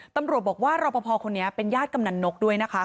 ตำรวจบอกว่ารอปภคนนี้เป็นญาติกำนันนกด้วยนะคะ